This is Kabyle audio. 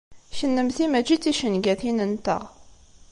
Kennemti mačči d ticengatin-nteɣ.